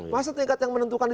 masa tingkat yang menentukan